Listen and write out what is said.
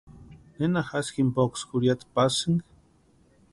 ¿Nena jasï jimpoksï jurhiata pasïni?